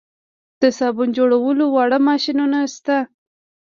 د صابون جوړولو واړه ماشینونه شته